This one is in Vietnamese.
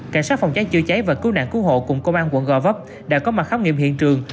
cảnh sát phòng cháy chữa cháy và cứu nạn cứu hộ cùng công an quận gò vấp đã có mặt khám nghiệm hiện trường